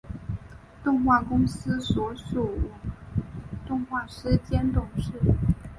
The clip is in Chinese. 动画公司所属动画师兼董事。